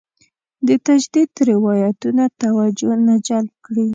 د تجدید روایتونه توجه نه جلب کړې.